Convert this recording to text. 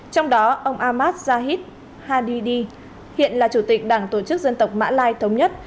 trong đó ông ahmad jahid hadidi hiện là chủ tịch đảng tổ chức dân tộc mã lai thống nhất